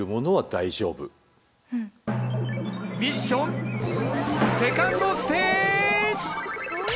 ミッションセカンドステージ。